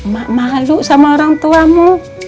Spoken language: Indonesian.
mak maklu sama orang tuamu